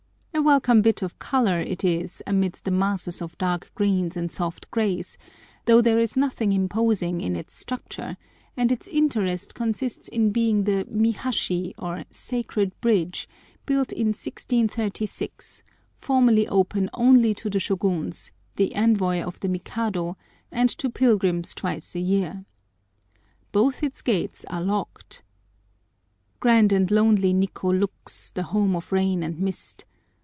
A welcome bit of colour it is amidst the masses of dark greens and soft greys, though there is nothing imposing in its structure, and its interest consists in being the Mihashi, or Sacred Bridge, built in 1636, formerly open only to the Shôguns, the envoy of the Mikado, and to pilgrims twice a year. Both its gates are locked. Grand and lonely Nikkô looks, the home of rain and mist.